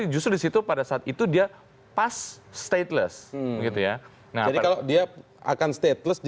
justru di situ pada saat itu dia pas stateless